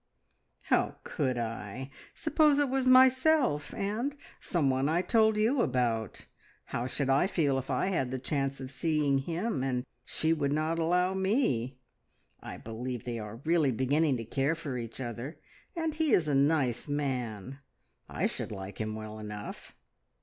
"How could I? Suppose it was myself, and someone I told you about. How should I feel if I had the chance of seeing him, and she would not allow me? I believe they are really beginning to care for each other, and he is a nice man. I should like him well enough."